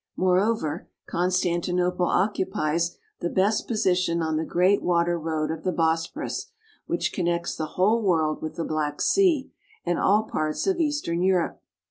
Moreover, Constantinople occupies the best position on the great water road of the Bosporus which connects the whole world with the Black Sea and all parts of eastern # Europe.